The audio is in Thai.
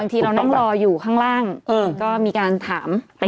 ทีเรานั่งรออยู่ข้างล่างก็มีการถาม